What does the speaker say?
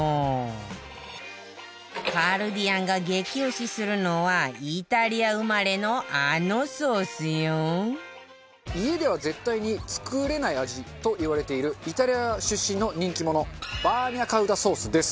カルディアンが激推しするのは家では絶対に作れない味と言われているイタリア出身の人気者バーニャカウダソースです。